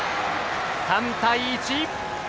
３対１。